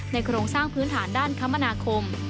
โครงสร้างพื้นฐานด้านคมนาคม